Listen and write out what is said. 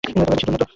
বেশি দূর নাতো।